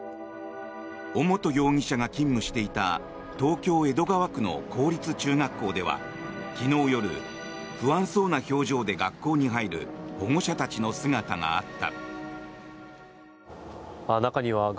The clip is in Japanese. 尾本容疑者が勤務していた東京・江戸川区の公立中学校では昨日夜、不安そうな表情で学校に入る保護者たちの姿があった。